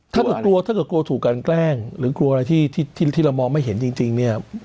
ถ้าเกิดกลัวถ้าเกิดกลัวถูกกันแกล้งหรือกลัวอะไรที่เรามองไม่เห็นจริงเนี่ย